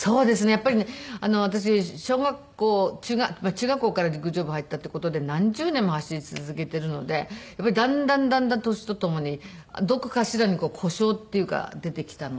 やっぱりね私小学校中学校から陸上部入ったっていう事で何十年も走り続けているのでやっぱりだんだんだんだん年と共にどこかしらに故障っていうか出てきたので。